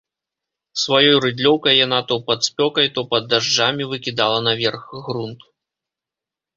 Сваёй рыдлёўкай яна то пад спёкай, то пад дажджамі выкідала наверх грунт.